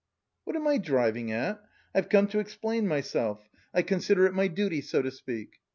"What am I driving at? I've come to explain myself, I consider it my duty, so to speak.